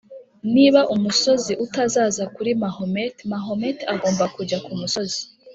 niba umusozi utazaza kuri mahomet, mahomet agomba kujya kumusozi